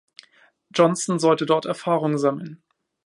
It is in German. Johnson sollte dort Erfahrung sammeln.